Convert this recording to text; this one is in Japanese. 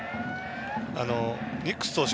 ニックス投手